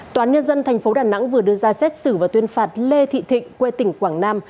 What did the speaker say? tòa án nhân dân tp đà nẵng vừa đưa ra xét xử và tuyên phạt lê thị thịnh quê tỉnh quảng nam